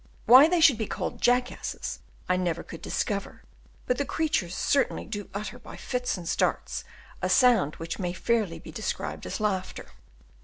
Why they should be called "Jackasses" I never could discover; but the creatures certainly do utter by fits and starts a sound which may fairly be described as laughter.